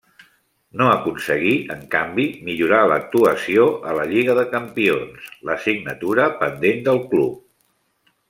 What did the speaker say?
No aconseguí, en canvi, millorar l'actuació a la lliga de campions, l'assignatura pendent del club.